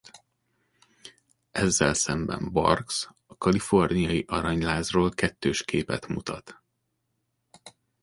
Ezzel szemben Barks a kaliforniai aranylázról kettős képet mutat.